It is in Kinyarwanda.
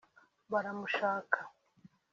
“Baramushaka”